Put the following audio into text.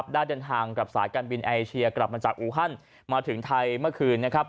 ได้เดินทางกับสายการบินเอเชียกลับมาจากอูฮันมาถึงไทยเมื่อคืน